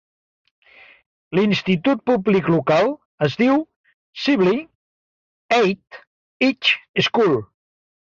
L'institut públic local es diu Sibley East High School.